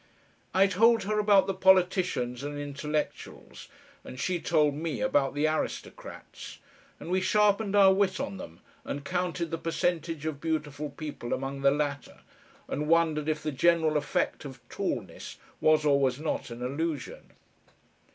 I told her about the politicians and intellectuals, and she told me about the aristocrats, and we sharpened our wit on them and counted the percentage of beautiful people among the latter, and wondered if the general effect of tallness was or was not an illusion.